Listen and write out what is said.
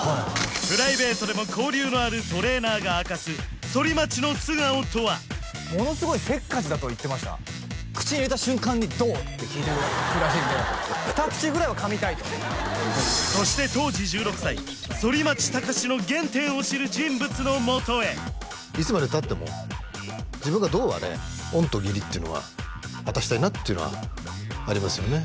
プライベートでも交流のあるトレーナーが明かす反町の素顔とは？と言ってましたって聞くらしいんで「ふた口ぐらいは噛みたい」とそして当時１６歳反町隆史の原点を知る人物のもとへいつまでたっても自分がどうあれ恩と義理っていうのは果たしたいなっていうのはありますよね